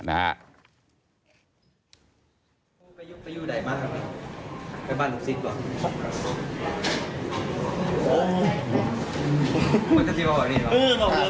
มันนี่เขากินยังพ่อมันรู้สึกจ่ายังไงนะมันนี่